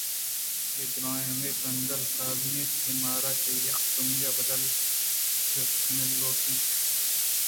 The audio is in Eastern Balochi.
اے دُرٛاہ ہمے پندل سازی اَنت کہ مارا چہ یکے دومی ءَ بد دل ءُ جتا کنگ ءِ لوٹ اَنت